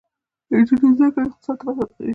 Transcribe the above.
د نجونو زده کړه اقتصاد ته وده ورکوي.